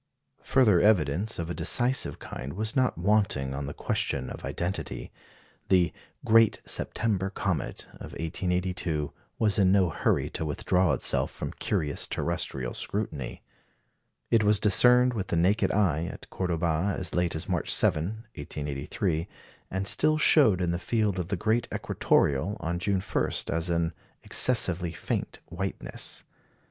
Further evidence of a decisive kind was not wanting on the question of identity. The "Great September Comet" of 1882 was in no hurry to withdraw itself from curious terrestrial scrutiny. It was discerned with the naked eye at Cordoba as late as March 7, 1883, and still showed in the field of the great equatoreal on June 1 as an "excessively faint whiteness."